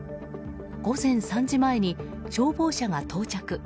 午前３時前に消防車が到着。